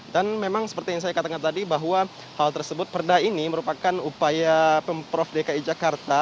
dan memang seperti yang saya katakan tadi bahwa hal tersebut perda ini merupakan upaya pemprov dki jakarta